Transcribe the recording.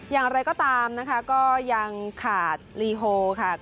อย่างไรก็ตามนะคะก็ยังขาดลีโฮค่ะ